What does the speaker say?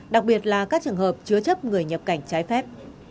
đặc biệt là các trường hợp chứa chấp người nhập cảnh trái phép